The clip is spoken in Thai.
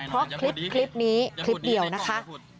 เพราะคลิปนี้คลิปเดียวนะคะ